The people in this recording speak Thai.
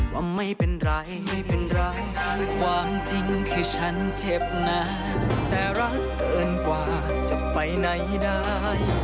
ว่าไม่เป็นไรไม่เป็นไรความจริงคือฉันเจ็บนะแต่รักเกินกว่าจะไปไหนได้